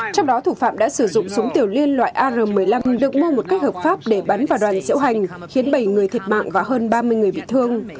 trong đó thủ phạm đã sử dụng súng tiểu liên loại ar một mươi năm được mua một cách hợp pháp để bắn vào đoàn diễu hành khiến bảy người thiệt mạng và hơn ba mươi người bị thương